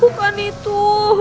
jangan lakukan itu